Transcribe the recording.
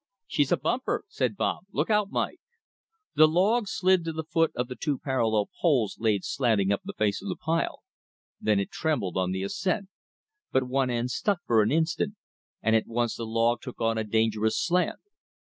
"She's a bumper!" said Bob. "Look out, Mike!" The log slid to the foot of the two parallel poles laid slanting up the face of the pile. Then it trembled on the ascent. But one end stuck for an instant, and at once the log took on a dangerous slant.